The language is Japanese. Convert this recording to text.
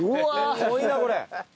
すごいなこれ。